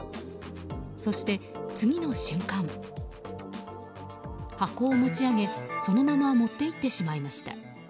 そして次の瞬間箱を持ち上げそのまま持っていってしまいました。